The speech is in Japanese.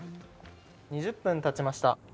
２０分たちました。